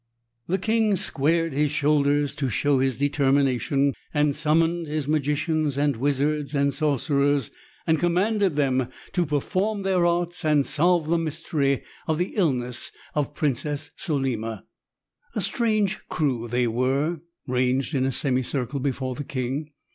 The king squared his shoulders to show his determination and summoned his magicians and wizards and sorcerers and commanded them to perform their arts and solve the mystery of the illness of Princess Solima. A strange crew they were, ranged in a semi circle before the king.